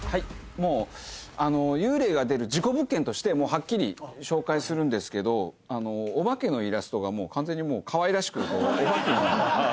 もう幽霊が出る事故物件としてはっきり紹介するんですけどお化けのイラストが完全にかわいらしく「オバケの」。